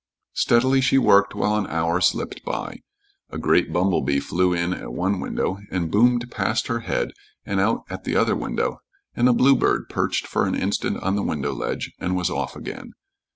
Steadily she worked while an hour slipped by. A great bumblebee flew in at one window and boomed past her head and out at the other window, and a bluebird perched for an instant on the window ledge and was off again.